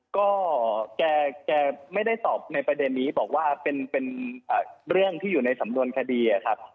ก็แกไม่ได้ตอบในประเด็นนี้บอกว่าเป็นเรื่องที่อยู่ในสำนวนคดีครับ